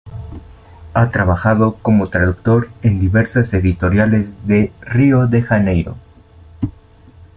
Ha trabajado como traductor en diversas editoriales de Río de Janeiro.